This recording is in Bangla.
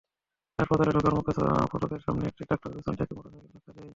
হাসপাতালে ঢোকার মুখে ফটকের সামনে একটি ট্রাক্টর পেছন থেকে মোটরসাইকেলটিকে ধাক্কা দেয়।